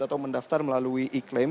atau mendaftar melalui iklim